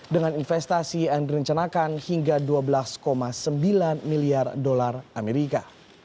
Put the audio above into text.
dengan investasi yang direncanakan hingga dua belas sembilan miliar dolar amerika